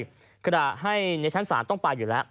คุณคุณหวัดให้ในชั้นศาสตร์ต้องไปอยู่แล้ว